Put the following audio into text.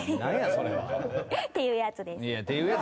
フッ。っていうやつです。